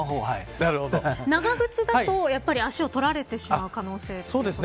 長靴だとやっぱり足を取られてしまう可能性がということですか。